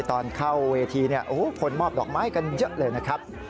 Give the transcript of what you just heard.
ตอนเข้าเวทีคนมอบดอกไม้กันเยอะเลยนะครับ